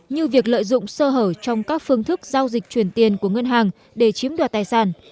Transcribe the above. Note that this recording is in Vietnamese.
như việc lợi dụng sơ hở trong các phương thức giao dịch chuyển tiền của ngân hàng để chiếm đoạt tài sản